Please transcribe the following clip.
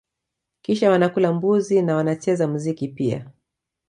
Kisha wanakula mbuzi na wanacheza muziki pia